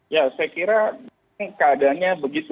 ya saya kira keadaannya begitu